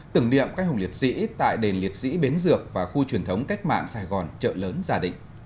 tưởng niệm các hùng liệt sĩ tại đền liệt sĩ bến dược và khu truyền thống cách mạng sài gòn chợ lớn gia đình